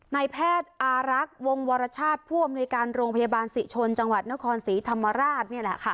นายแพทย์อารักษ์วงวรชาติผู้อำนวยการโรงพยาบาลศรีชนจังหวัดนครศรีธรรมราช